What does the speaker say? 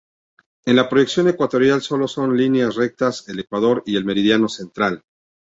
En la proyección ecuatorial sólo son líneas rectas el ecuador y el meridiano central.